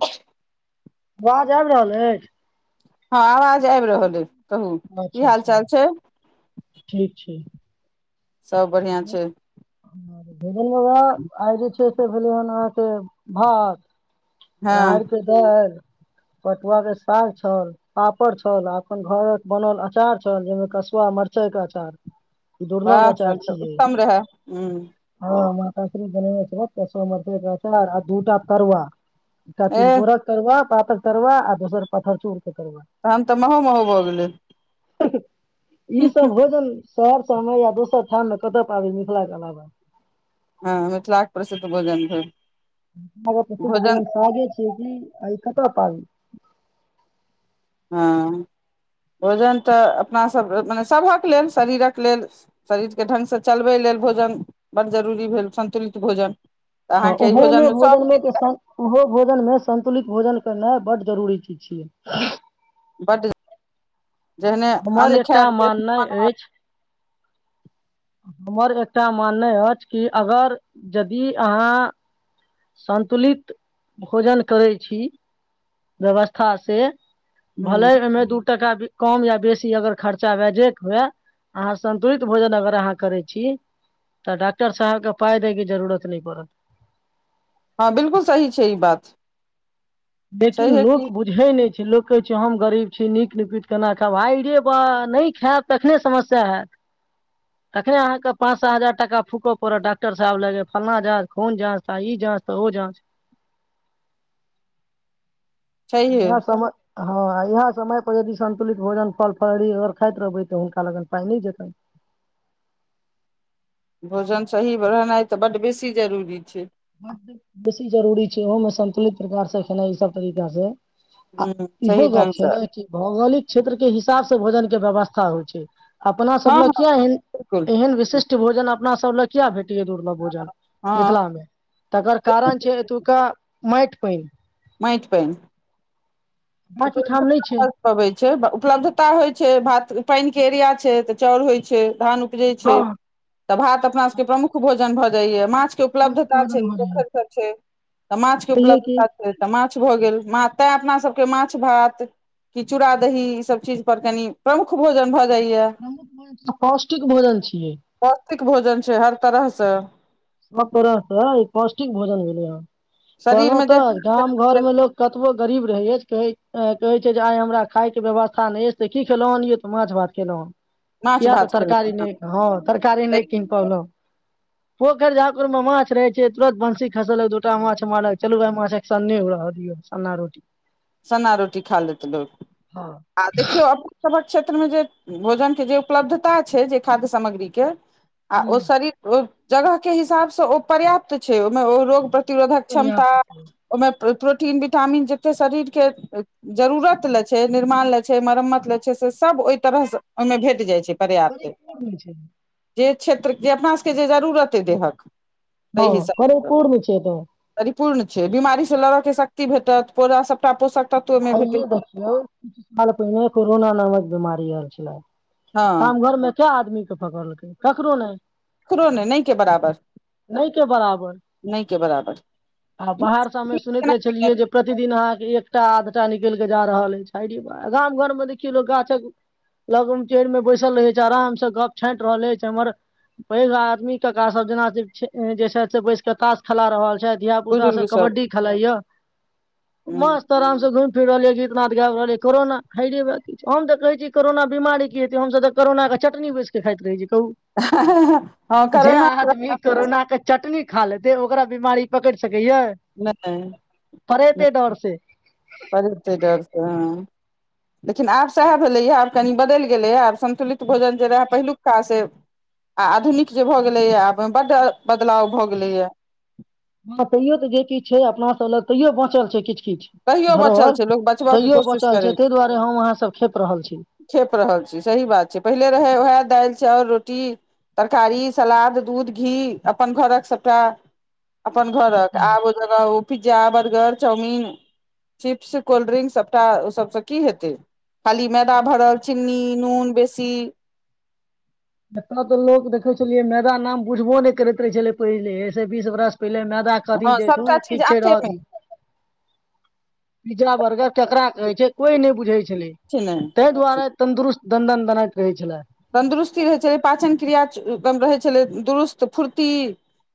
बाह [inaudible] अवाज आबि रहल अछि हँअ् आवाज आबि रहल अइ कहू की अच्छा हाल अच्छा चाल छैइ ठीक छैइ सभ बढ़िआँ छैइ भोजन बाबा आइ जे छैइ से भेलै हन अहाँके भात हँ राहरके दाऽल पटुआ के साग छल पापड़ छल अपन घरक बनल अचार छल जेई में कसुआ मरचाई आचार दुर्लभ वाह आचार तहन उत्तम रहैयह हां माताश्री बनबै छैत कंसुआ मरचाइक अचार आ दूटा तरूआ एकटा एह तिलकौरक तरुआ पापर तरुआ आ दोसर पथर चोर तहन तऽ महो महो भऽ गेलै ईसभ भोजन सहर सब मे या दोसर ठाममे कतय पबै मिथिलाके अलावा हँ मिथिलाक प्रसिद्ध भोजन भेल हम प्रसिद्ध भोजन सागे छिय कि आइ कतय पाली हँ भोजन तऽ अपनासभ मने सभक लेल शरीरक लेल शरीरके ढङ्गसँ चलबै लेल भोजन बड जरूरी भेल संन्तुलित भोजन तऽ ह अहाँके ई ओहोमे भोजनमे सब भोजन मे चीज त रहत, ओहो भोजन मे संन्तुलित भोजन करन इ बड्ड जरूरी चीज छियै बड्ड जहने हमर अन्न एकटा खायब माननाइ त अछि हमर एकटा माननाइ अछि कि अगर यदि अहाँ सन्तुलित भोजन करै छी व्यवस्था सँ भल हूँ अमे दू टका कम या बेसी अगर खर्चा वे जैक हुए आहा संतुलित भोजन अगर आहा करै छी तऽ डॉक्टर साहबके पाइ दैके जरूरत नहि पड़त हँ बिलकुल सही छै ई बात लेकिन छैहे लोक की बुझै नै लोक कहैत छै हम गरीब छी नीक निकुत केना खाब हाइरे बा नहि खायब तखने समस्या हयैत तखने अहाँके पाँचए हजार टका फूकऽ पड़त डॉक्टर साहे ले फल्ना जाँच खून जाँच त इ जाँच तऽ ओ जाँच छैहे यह समय हँ यहा समय यदि संन्तुलित भोजन फल फलही अगर खाइत रहबै तऽ हुनका लगन पाइ नहि जेतनि [inaudible] भोजन सही रहनाइ तऽ बड बेसी जरूरी छै बेसी जरूरी छै ओहोमे संन्तुलित प्रकार से खेनाइ ई सब तरीका से आ ह इहो सही ढंग गप छै से ने कि भौगोलिक क्षेत्र के हिसाब से भोजन के व्यवस्था होइ छै अपना हँ सब हँ लग किया एहन बिलकुल एहन विशिष्ट भोजन अपना सब लए किया भेटैया दुर्लभ भोजन हँ मिथिला मे तकर कारण छै एतुका मइट पइन मइट पइन बाँकी ठाम नहि उपलब्धता छै कर पबै छै उपलब्धता होइ छै भात पइन के एरिया छै तऽ चउर होइ छै धान उपजे छै हँ तऽ भात अपना सबके प्रुख भो भ जाइ या माछ के प्रमुख उपलब्धता छै भोजन भऽ जाइये पोखरि सब छै तऽ माछ के उपलब्धता छै तऽ माछ माछ भ गेल म ते अपना सब के माछ भात की चुरा दही इ सब चिज पर कनी प्रमुख भौजन भ जाइ प्रमुख भोजन आ पौष्टिक भोजन छियै पोष्टिक भोजन छै हर तरहसँ सब तरह स इ पौष्टिक भोजन भेलै ह शरीर कहलहुँ मे तऽ गाम जे घरमे लोक कतबो गरीब रहै अछि कहै कहै छै जे आइ हमरा खायके व्यवस्था नहि अछि से क खेलहुँ हनियै तऽ माछ भात खेलहुँ हँ माछ किया तऽ भात खेलहुँ तरकारी नहि हँ तरकारी नहि कीन पलहु पोखरि झााकुर मे माछ रहे छै तुरत बंसी खसलक दूटा माछ मारल चलू माछ के सन्ने रहअ दियौ सन्ना रोटी सन्ना रोटी खा लेत लोक हँ आ देखियौ अपने सबक क्षेत्र मे जे भोजन के जे उपलब्धता छै जे खाद्य सामग्री के आ ओ शरीर ओ जगह के हिसाबसँ ओ पर्याप्त छै ओ ओ रोग प्रतिरोधक बढ़िया क्षमता ओहिमे प्रोटीन विटामिन जते शरीर के जरूरत ले छै निर्माण ले छै मरम्मत ले छै से सब ओहि तरह से ओहिमे भेट जाइ छै पर्याप्त परिपूर मे छै जे क्षेत्र जे अपना सबके जे जरूरत अइ देहक हँ परिपूर्ण छै ओतअ पूर्ण छै बिमारी से लड़ऽ के शक्ति भेटत पोरा सबटा पोषक तत्व ओहिमे आइे भेटै देखियौ किछु साल पहिने कोरोना नामक बीमारी आयल छलए हँ गाम घर में क आदमी के पकड़लकै ककरो नहि ककरो ने नहि के बराबर नहि के बराबर नहि के बराबर आ बाहरसँ हमे सुनैत रहै छलियै जे प्रतिदिन अहाँके एक टा निकलि कऽ जा रहल अछि गाम घर मे देखियौ लोक गाछक लगनटेरमे बैसल रहैत छै आरामसँ गप छाँटि रहल अछि हमर पैघ आदमी कका सब जेना जे छै से बैस क ताश खेला रहल छथि धिया पुता सब कबड्डी खेलाइया ह मस्त आराम से घुम फिर रहल या गीतनाद गाब रहलियै कोरोना हाय रे बा हम तऽ कहै छी कोरोना बिमारी की हेतै हमस तऽ कोरोना चटनी बैसके खाइत रहै छै कहू हँ जे करोना आदमी कोरोना के चटनी खा लेते ओकरा बीमारी पकड़ि सकैया नहि परेते डर से ते डर सेहॅ लेकिन आब सएह भेलैए आब कनि बदलि गेलैए आब संन्तुलित भोजन जे रहए पहिलुका से आ आधुनिक जे भऽ गेलैए बड्ड बदलाव भऽ गेलैए हँ तैयो तऽ जे किछु छै अपनासभ लग तैयो बाँचल छै किछु किछ तैयो बचल घरोहर छै लोक बचबय के तैयो कोशिश बचल करै छै ताहि दुआरे हम अहाँसभ खेप रहल छी खेप रहल छी सही बात छै पहिले रहै उएह दालि चाउर रोटी तरकारी सलाद दूध घी अपन घरक सभटा अपन घरक सबटा आब ओ जह ओ pizza burger chowmein chips cold drink सभटा ओ सबसँ की हेतै खाली मैदा भरल चिन्नी नून बेसी एतय तऽ लोक देखै छलियै मैदा नाम बुझबो नहि करैत रहै छलै पहिले ऐसे बीस बरस पहिले मैदा कथी हँ थु सभटा चीज ठीक छै आटे मे रहथि पिज्जा बर्गर केकरा कहै छै कोई नहि बुझै छलै किछु नहि ताहि किछु दुआरे तंन्दुरुस्त ददन दनाइत रहै छले तन्दुरुस्ती रहै छलै पाचन क्रिया एकदम रहै छलै दुरुस्त फुर्ती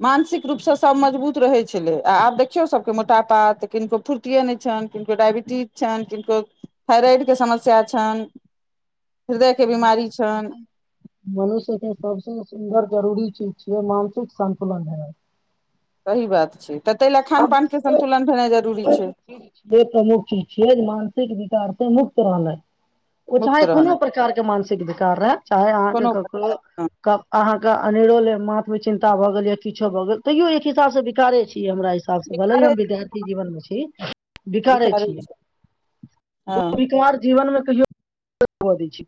मानसिक रूपसँ सभ मजबूत रहैत छलै आ आब देखियौ सभके मोटापा तऽ किनको फुर्तिे नहि छनि किनको डबटीज छइन किनको थाइरड के समस्या छनि फिर देह के बीमारी छनि मनुष्यके सबस सुन्दर जरूरी चीज छियै मानसिक संन्तुलन हैब सही बात छै तऽ ताहि लए खान पान के सबसे संन्तुलन भेनाइ जरूरी छै प्रमुख चीज छै प्रमुख चीज छिये मानसिक ते मुक्त रहनाइ ओ मुक्त चाहे कोनो रहनाइ प्रकारके मानसिक विकार रहै चाहे अहाँके कोनो ककरो प्रकार हँ अहाँ अनेरो ले माथ मे चिन्ता भए गेल या किछ भऽ गेल तैयो एक हिसाब से विकारे छीय हमरा हिसाब से हमरा हिसाब स भले ही हम बिकारे विद्यार्थी जीवन मे छी बिखारे बिकारे छी ओ हँ विकार जीवनमे कहियो कऽ दै छै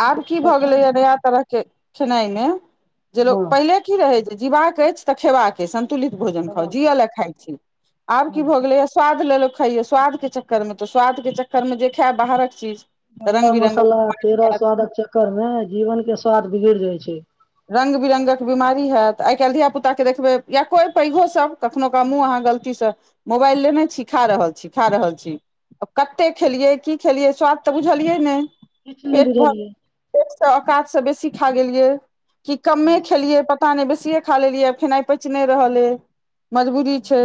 आब की भऽ गेलैए नया तरहके खेनाइमे जे लोक पहिले की रहै जे जीबाक अछि तऽ खेबाक अछि संतुलित भोजन खाउ जिय लए खाइ छी आब की भऽ गेलै स्वाद लेलो खायो स्वाद के चक्कर में तो स्वाद के चक्कर मे जे खाय बाहरक चीज तऽ बारह रंग मसाला बिरंगक तेरह स्वादक चक्कर मे जीवन के स्वाद बिगड़ जाइ छै रङ्ग बिरङ्गक बिमारी होयैत आइ काल्हि धियियाापुताकेँ देखबै या कोइ पैघोसभ कखनो क देखबइ अहाँ गलतीसँ मोबाइल लेने छी खा रहल छी खा रहल छी कतेक खेलियै की खेलियै स्वाद तऽ बुझलियै नहि किछु नहि पेट भर बुझलियै पेटसे औकातसँ बेसी खा गेलियै कि कमे बस खेलियै पता नहि बेसिए खा लेलियै फेना आइ पैच नहि रहलै मबूरी छै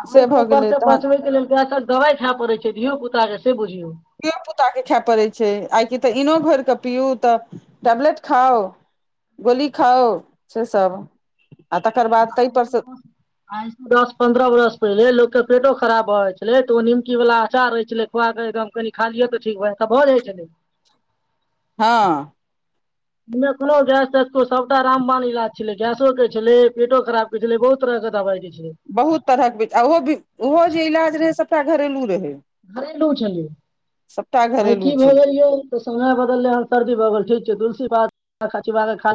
आ से के भऽ ऊपर गेलै से तहन पचबे के लेल गैसक दवाइ खाय पड़े छै धियो पुता के से बुझियौ धियो पुताक के खाय पड़ैत छै आइ कि तऽ इनो घोर कऽ पीउ तऽ टेबलेट खाउ गोली खाउ से सब आ तकर बाद ताहि आइ पर से द आइ त दस पन्द्रह बरस पहिले लोक पेटो खराब भऽ जाइ छलैऽ ओ निमकी वला अचार रहै छलै खुआ कऽ एकदम कनि खालियै तऽ ठीक भऽ जाइ त भऽ जाइ छलै [inaudible] हँ कोनो गैस तैस सबटा रामवान इलाज छलै गैसोकेै छलै पेटो खराब कै छलै बहुत तरह दबा छै बहुत तरहकच ओहो ओहो जे इलाज रहे सभटा घरेलू रहे घरेलु छलै आइ घरेलू की भऽ छलै गेल यौ तऽ समय बदललै हन सर्दी भऽ गेल ठीक छै तुलसी बात बात चीबा क खा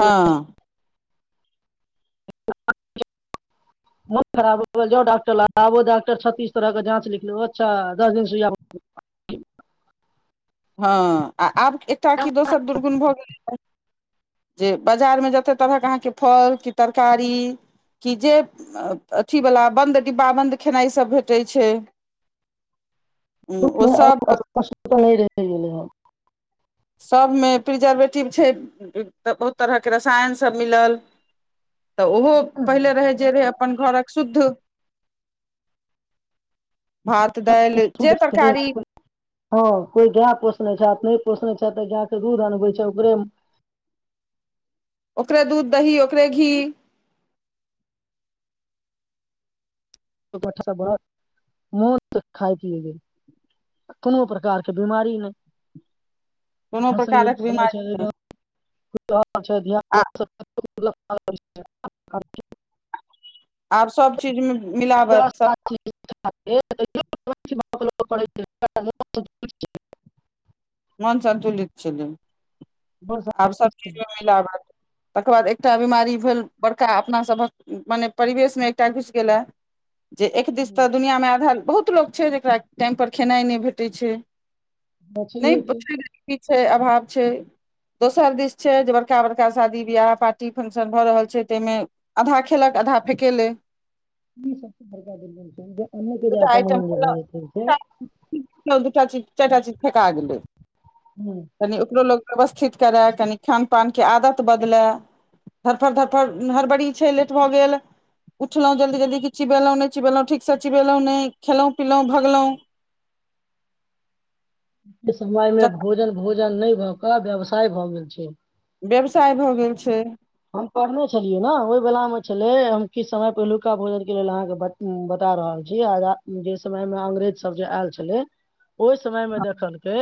हँ [unintelligible] [unintelligible] मन खराब हो गेल जा डॉक्टर ल आब डक्टर छत्तीस तरह के जाँच लिख ले अच्छा दस दिन सुइया ह हँ आ आब एकटा की दोसर दुर्गुण भऽ गेलै जे बाजारमे जते तरहक अहाँके फल कि तरकारी कि जे अथिवला बन्द डिब्बा बन्द खेनाइसभ भेटै छै रह ओ सब गेलै ह [unintelligible] सभमे प्रिजर्वेटिव छै तऽ बहुत तरहके रसायनसभ मिलल [inaudible] तऽ ओहो पहिले रहै हन जे रहै अपन घरक शुद्ध भात दालि जे तरकारी [unintelligible] हँ कोइ गाय पोसने छै अपने पोसने छै तऽ गायके दूध आनबै छै ओकरे ओकरे दूध दही ओकरे घी बहुत मस्त खाय पिय कोनो प्रकारके बिमारी नैय कोनो हँ सहीए प्रकारक च बीमारी चले धान आ [unintelligible] आब सब चीजमे व्यवस्था [unintelligible] [unintelligible] मन संतुलित छलै आब सब चीज मिल तकर बाद एकटा बिमारी भेल बड़का अपनासभक मने परिवेशमे एकटा घुस गेलए जे एक दिस तऽ दुनिआँमे आधा बहुत लोक छै जकरा टाइमपर खेनाइ नहि भेटै छै नहि छै की छै अभाव छै दोसर दिस छै जे बड़का बड़का शादी बियाह पार्टी फंक्शन भऽ रहल छै ताहिमे आधा खेलक आधा फ़ेके ले ई सब भड़का द छै अनके जे दूटा आइटम अपमान जे भ छै चटा चीज चारटा चीज ठेका गेलै हँ तनि ओकरो लोग व्यवस्थित कराय कनि खान पानके आदत बदलय धरफड़ धरफड़ हड़बड़ी छै लेट भऽ गेल उठलहुँ जल्दी जल्दी कि चिबेलहुँ नहि चिबेलहुँ ठीकसँ चिबेलहुँ नहि खेलहुँ पिलहुँ भगलहुँ [inaudible] समय मे जखन भोजन भोजन नहि भए कऽ व्यवसाय भऽ गेल छै व्यवसाय भऽ गेल छै हम पढ़ने छलियै ने ओहि वलामे छलै हम किछु समय पहिलुका भोजनके लेल अहाँके बता रहल छी आ जे समय मे अंग्रेज सब जे आयल छले ओहि समयमे देखलकै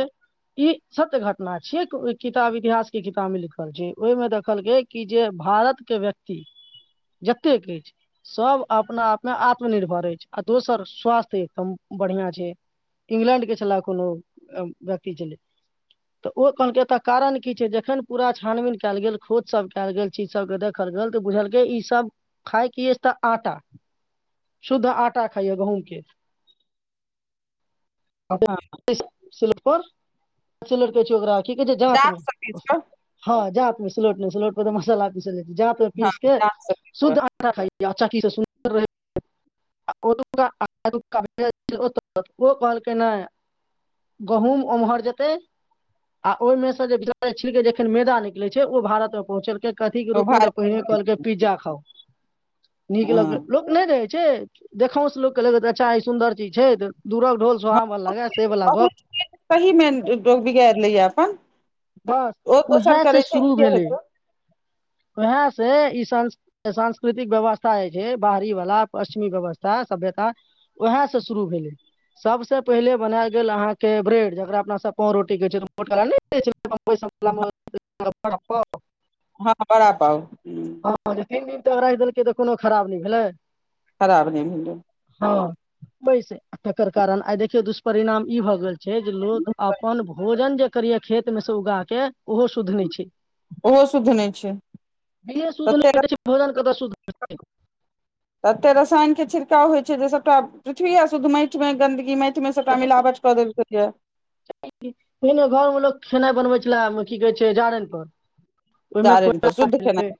ई सत्य घटना छिय किताब इतिहास के किताब में लिखल छै ओहिमे देखल गेल कि जे भारत के व्यक्ति जतेक अछि सभ अपना आपमे आत्मनिर्भर अछि आ दोसर स्वास्थ्यम बढ़िआं छै इंग्लैं्ड के छलह कोनो व्यक्ति छलै तऽ ओ कहलकैतऽ कारण की छै जखन पूरा छानबीन कयल गेल खोद सब कयल गेल चीज सब के देखल गेल तऽ बुझलके ई सब खााय क तऽ आटा शुद्ध आटा खाइयए गहूम के हँ क [unintelligible] ठीके छै जातमे जात सँ बेच कऽ हँ जातमे सुलोटमे सुलोट पर त मसाला आी स जात हँ पीस के जात सँ बेच शुद्ध कऽ आटा खाइ या आ चक्की स सुन्दर रहैया ओ ओ कहलके न गहूँम ओम्हर जतऽ आ ओहिमे से जेच छ जखन मैदा निकलै छै ओ भारत तऽ पहुँचलके कथी के ओ रूप मे तऽ भारत कहहिने कहलके पिज्जा खाउ नीक लगै हँ लोक नहि जाइ छै देखोंस से लोकके लै अच्छा ई सुन्दर चीज छैऽ दूरक ढोल सोहाबन लगा से वला गप बहुत सही मे लोग बिगाड़ि लैये अपन बस ओ दोसर उएह से करै छै कि शुरू के भेलै हेतै उएह से ई सांस्कृतिक व्यवस्था जे छै बाहरी वालला पश्चिमी व्यवस्था सभ्यता उएहसँ शुरू भेलै सबस पहिले बना गेल अहाँ के ब्रेड जकरा अपना सब पावरोटी के छै मोट वला पैसा प [unintelligible] हँ बडापाव तीन दिन राखि देलकै तऽ कोनो खराब नहि भेलै खराब नहि भेले ह बैस तकर कारण आइ देखियौ दुष्परिणाम ई भए गेल छै जे लोक अपन भोजन जे करिय खेत मे से उगा के ओहो शुद्ध नहि ओहो शुद्ध नहि छै घी ये शुद्ध तते नहि छै त भोजन कतऽ सुध तते रसायन के छिड़काव होइ छै जे सबटा पृथ्वी आ शुद्ध माटि मे गंन्दगी माटि मे सबटा मिलावट कऽ देेलके क्या कोनो घरमे लोक खेनाइ बनबै छलए की कहै छै जारनिपर ओहिमे जारनि पर कोयला शुद्ध भेल खेनाइ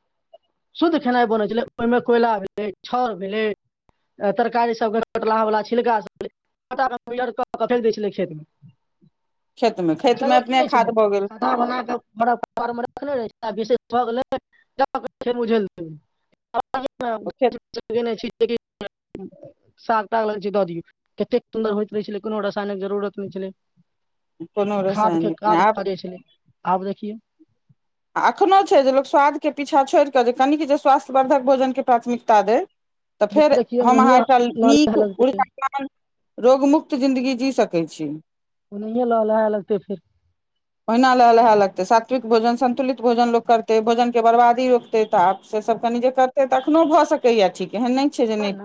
शुद्ध खेनाइ बनैत छलय ओहिमे कोयला भेलय छाउर भेलै तरकारी सभके कटलाहवला छिलका सब पटर कऽ कथै लए दै छलै खेतमे खेत मे खेत मे छलै की अपने नहि खाद छलै भऽ गेल खाना बनााक विशेषझ ओ खेत े नहि छी लिन स लग छै दऽ दियौ कतेक सुन्दर होइत रहै छलै कोनो रासायनक जरूरत नहि छलैय कोनो खादके रसायनिक नहि काज आब करै छलै आब देखियौ आ एखनहु छै जे लोक स्वादके पीछाँ छोड़ि कऽ जे कनिक जे स्वास्थ्यवर्धक भोजनके प्राथमिकता दय तऽ फेर देखियौ हम अहाँ ओनाहिये एकटा लहलहाए नीक लगतै उला रोग मुुक्त जिंन्दगी जी सकय छी ओ नहिए लऽ लहै लगते फेर ओहिना लए लहए लगतै सात्विक भोजन सन्तुलित भोजन लोक करतै भोनके बर्बादी रोकतै तऽ आब सेसभ फेर कनि जे करतै तऽ अखनो भऽ सकैए ठीक एहन नहि छै जे नहि